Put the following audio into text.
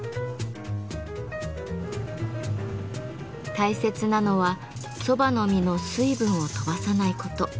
大切なのは蕎麦の実の水分を飛ばさないこと。